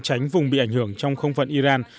tránh vùng bị ảnh hưởng trong không phận iran